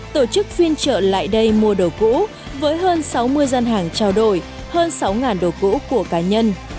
tổ chức phiên trợ lại đây mua đồ cũ với hơn sáu mươi gian hàng trao đổi hơn sáu đồ cũ của cá nhân